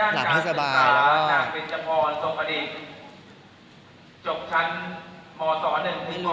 หลับให้สบายแล้ว